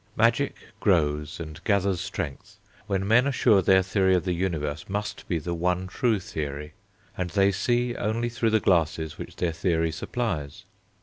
Magic grows, and gathers strength, when men are sure their theory of the universe must be the one true theory, and they see only through the glasses which their theory supplies.